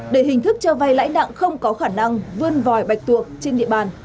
để hình thức cho vay lãi nặng không có khả năng vươn vòi bạch tuộc trên địa bàn